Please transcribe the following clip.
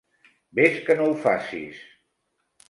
Ves que no ho facis!